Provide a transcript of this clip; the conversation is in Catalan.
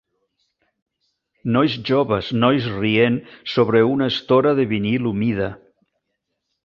Nois joves nois rient sobre una estora de vinil humida.